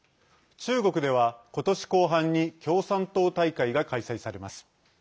中国では、ことし後半に共産党大会が開催されます。